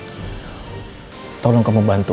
mau minta tolong ya sama kamu